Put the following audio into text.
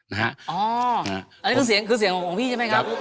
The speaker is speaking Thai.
อันนี้คือเสียงคือเสียงของพี่ใช่ไหมครับ